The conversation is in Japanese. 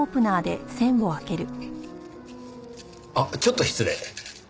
あっちょっと失礼。